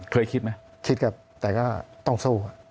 เคยคิดไหมคิดครับแต่ก็ต้องสู้